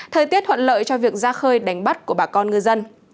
thời tiết thuận lợi cho việc ra khơi đánh bắt của bà con ngư dân